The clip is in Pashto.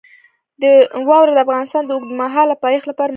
واوره د افغانستان د اوږدمهاله پایښت لپاره مهم رول لري.